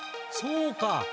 そうか。